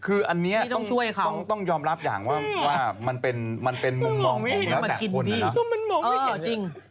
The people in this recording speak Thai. คืออันนี้ต้องยอมรับอย่างว่ามันเป็นมุมมองของหลักแต่คน